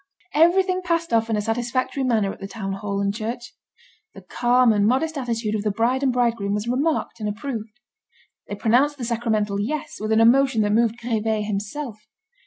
Everything passed off in a satisfactory manner at the town hall and church. The calm and modest attitude of the bride and bridegroom was remarked and approved. They pronounced the sacramental "yes" with an emotion that moved Grivet himself.